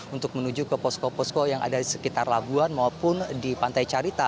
untuk menuju ke posko posko yang ada di sekitar labuan maupun di pantai carita